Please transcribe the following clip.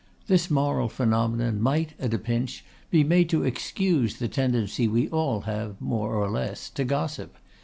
This moral phenomenon might, at a pinch, be made to excuse the tendency we all have, more or less, to gossip.